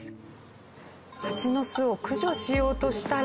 ハチの巣を駆除しようとしたら。